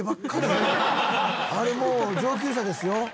あれもう上級者ですよ。